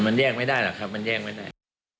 มันแยกไม่ได้หรอกครับมันแย่งไม่ได้